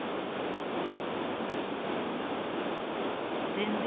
全米